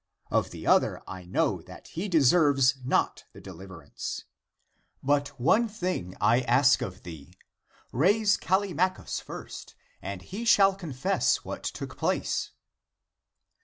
Of the other I know that he deserves not the deliverance. But one thing I ask of thee. Raise Callimachus first, and he shall confess what took place."